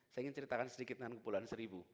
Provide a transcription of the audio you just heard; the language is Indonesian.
saya ingin ceritakan sedikit dengan kepulauan seribu